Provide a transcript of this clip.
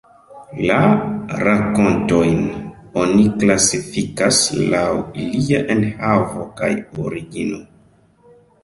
La rakontojn oni klasifikas laŭ ilia enhavo kaj origino.